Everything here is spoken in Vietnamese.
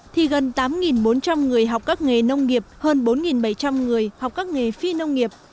thì gần tám bốn trăm linh người học các nghề nông nghiệp hơn bốn bảy trăm linh người học các nghề phi nông nghiệp